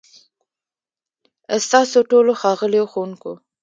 ستاسو ټولو، ښاغليو ښوونکو،